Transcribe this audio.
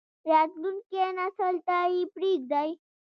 راتلونکی نسل ته یې پریږدئ